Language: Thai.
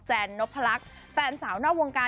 แนนพลักษณ์แฟนสาวนอกวงการ